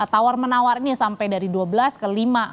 tawar menawar ini sampai dari dua belas ke lima